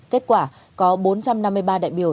kết quả có bốn trăm năm mươi ba đại biểu